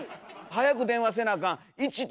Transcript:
早く電話せなあかん。